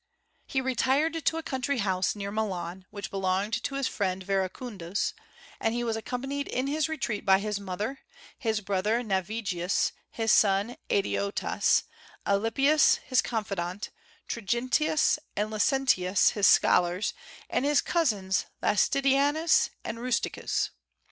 He retired to a country house, near Milan, which belonged to his friend Veracundus, and he was accompanied in his retreat by his mother, his brother Navigius, his son Adeodatus, Alypius his confidant, Trigentius and Licentius his scholars, and his cousins Lastidianus and Rusticus.